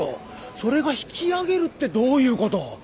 それが引き揚げるってどういう事？